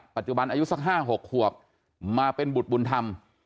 ปัจจุบันอายุสัก๕๖ขวบมาเป็นบุตรบุญธรรม